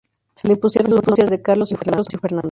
Se le impusieron los nombres de Carlos y Fernando.